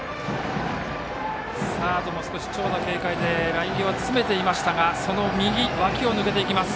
サードも少し長打警戒でライン際、詰めていましたがその右、脇を抜けていきます。